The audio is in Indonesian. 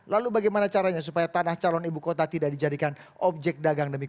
lalu bagaimana caranya supaya tanah calon ibu kota tidak dijadikan objek dagang demikian